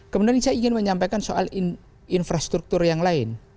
kemudian saya ingin menyampaikan soal infrastruktur yang lain